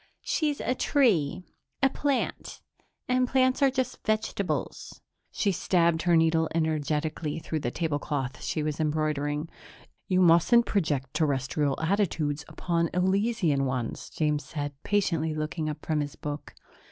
"She's a tree. A plant. And plants are just vegetables." She stabbed her needle energetically through the tablecloth she was embroidering. "You mustn't project Terrestrial attitudes upon Elysian ones," James said, patiently looking up from his book.